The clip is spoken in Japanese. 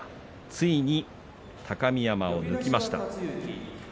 ついに高見山を抜きました。